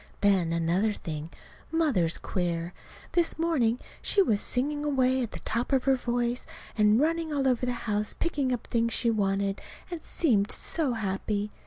Then, another thing, Mother's queer. This morning she was singing away at the top of her voice and running all over the house picking up things she wanted; and seemed so happy.